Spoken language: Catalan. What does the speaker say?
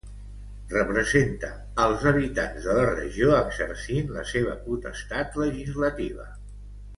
Representa als habitants de la regió exercint la potestat legislativa.